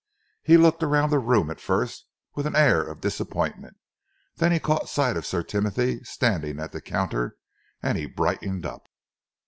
He looked around the room at first with an air of disappointment. Then he caught sight of Sir Timothy standing at the counter, and he brightened up.